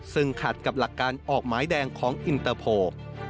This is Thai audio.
ซึ่งขัดกับหลักการออกหมายแดงของอินเตอร์โพล